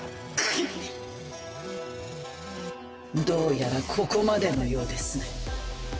どうやらここまでのようですね。